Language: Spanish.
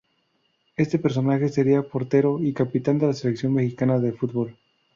Este personaje sería portero y capitán de la Selección Mexicana de Fútbol.